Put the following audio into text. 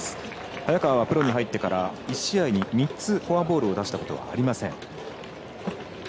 早川はプロに入ってから１試合に３つフォアボールを出したことはありません。